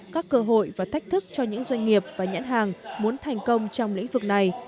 các doanh nghiệp và nhãn hàng muốn thành công trong lĩnh vực này